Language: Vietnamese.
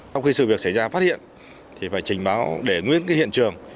sau khi sự việc xảy ra phát hiện thì phải trình báo để nguyễn cái hiện trường